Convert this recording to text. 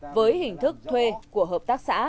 với hình thức thuê của hợp tác xã